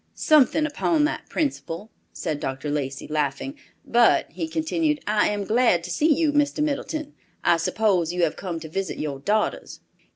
"Something upon that principle," said Dr. Lacey, laughing, "but," he continued, "I am glad to see you, Mr. Middleton. I suppose you have come to visit your daughters."